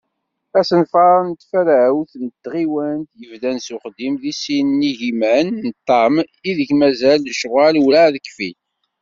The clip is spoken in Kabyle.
Asenfar n tfarawt n tɣiwant, yebdan s uxeddim deg sin yigiman d ṭam, ideg mazal lecɣal urεad kfin.